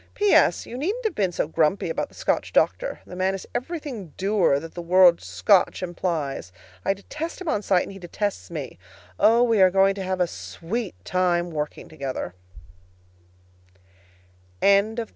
P.S. You needn't have been so grumpy about the Scotch doctor. The man is everything dour that the word "Scotch" implies. I detest him on sight, and he detests me. Oh, we're going to have a sweet time working together THE JOHN GRIER HOME, February 22.